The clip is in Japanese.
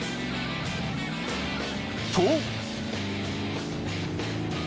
［と］